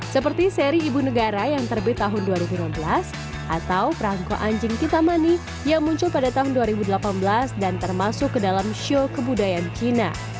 seperti seri ibu negara yang terbit tahun dua ribu lima belas atau perangko anjing kitamani yang muncul pada tahun dua ribu delapan belas dan termasuk ke dalam show kebudayaan cina